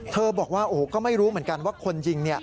บอกว่าโอ้โหก็ไม่รู้เหมือนกันว่าคนยิง